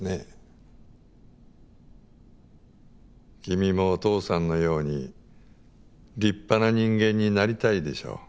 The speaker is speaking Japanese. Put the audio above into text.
君もお父さんのように立派な人間になりたいでしょう。